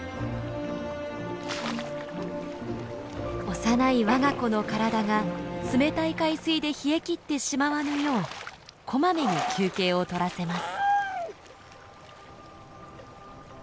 幼い我が子の体が冷たい海水で冷え切ってしまわぬようこまめに休憩を取らせます。